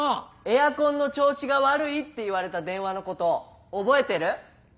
エアコンの調子が悪いって言われた電話のこと覚えてる？